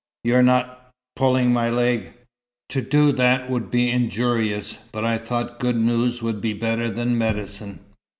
"You're not pulling my leg?" "To do that would be very injurious. But I thought good news would be better than medicine."